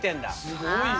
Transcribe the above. すごいな。